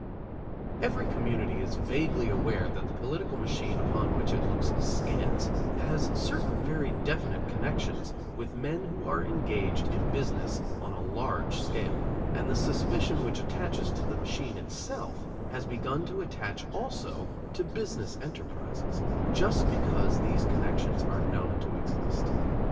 Every community is vaguely aware that the political machine upon which it looks askance has certain very definite connections with men who are engaged in business on a large scale, and the suspicion which attaches to the machine itself has begun to attach also to business enterprises, just because these connections are known to exist.